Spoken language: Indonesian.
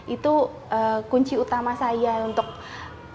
itu kunci utama saya untuk memiliki jualan jualan jualan